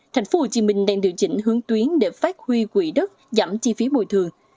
thành phố hồ chí minh đang điều chỉnh hướng tuyến để phát huy quỹ đất giảm chi phí bồi thường